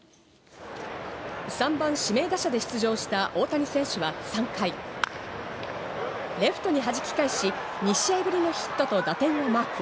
３番・指名打者で出場した大谷選手は３回、レフトに弾き返し、２試合ぶりのヒットと打点をマーク。